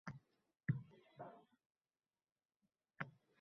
— Tumanda nima gaplar bor, gapiring, qani?